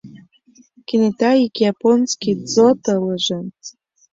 Кенета ик японский ДЗОТ «ылыже».